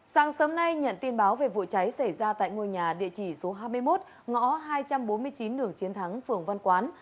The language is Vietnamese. sáng sớm nay nhận tin báo về vụ cháy xảy ra tại ngôi nhà địa chỉ số hai mươi một ngõ hai trăm bốn mươi chín đường chiến thắng phường văn quán